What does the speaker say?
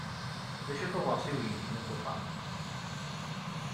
D acu-t uɣersiw-nnek n ututam?